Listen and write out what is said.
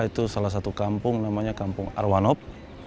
itu salah satu kampung namanya kampung arwanop